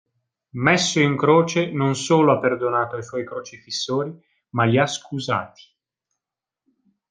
Messo in croce, non solo ha perdonato ai suoi crocifissori, ma li ha scusati.